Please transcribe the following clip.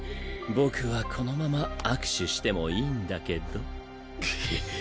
僕はこのまま握手してもいいんだけど。